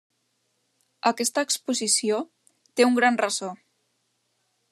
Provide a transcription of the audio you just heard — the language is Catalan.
Aquesta exposició té un gran ressò.